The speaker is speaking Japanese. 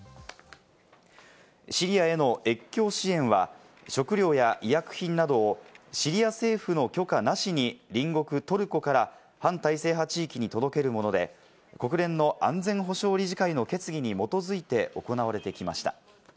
シリアへの越境支援は、食料や医薬品などをシリア政府の許可なしに隣国トルコから反体制派地域に届けるもので、国連の安全保障理事会の決議に基づいて行われてきました。